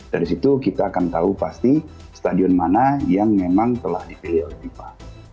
dari situ kita akan tahu pasti stadion mana yang memang telah dipilih oleh fifa